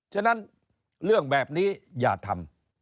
ฉะนั้นเรื่องแบบนี้อย่าทำ